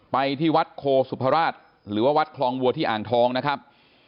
ไปที่วัดโคสุภราชหรือว่าวัดคลองวัวที่อ่างทองนะครับ